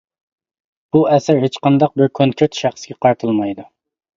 بۇ ئەسەر ھېچقانداق بىر كونكرېت شەخسكە قارىتىلمايدۇ.